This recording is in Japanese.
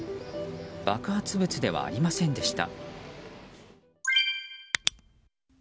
爆発物ではありませんでした。